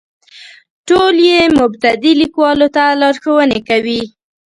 ټول یې مبتدي لیکوالو ته لارښوونې کوي.